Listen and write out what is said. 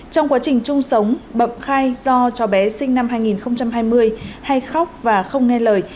trong quá trình chung sống bậm khai do cho bé sinh năm hai nghìn hai mươi hay khóc và không nghe lời